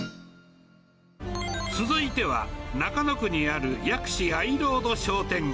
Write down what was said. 続いては、中野区にある薬師あいロード商店街。